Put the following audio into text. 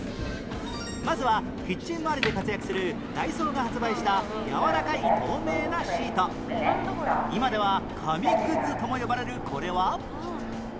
まずはキッチン周りで活躍するダイソーが発売した今では神グッズとも呼ばれるこれは